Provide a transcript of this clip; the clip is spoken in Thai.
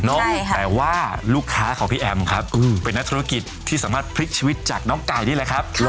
แต่ว่าลูกค้าของพี่แอมครับเป็นนักธุรกิจที่สามารถพลิกชีวิตจากน้องไก่นี่แหละครับ